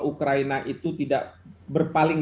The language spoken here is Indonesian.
ukraina itu tidak berpaling